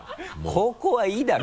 高校はいいだろ。